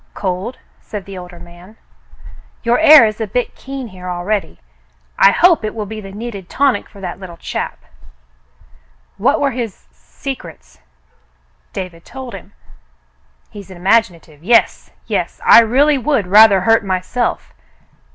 "Cold ?" said the older man. "Your air is a bit keen here already. I hope it will be the needed tonic for that little chap." "What were his s — secrets?" David told him. "He's imaginative — yes — yes. I really would rather hurt myself.